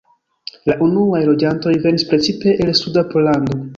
La unuaj loĝantoj venis precipe el suda Pollando.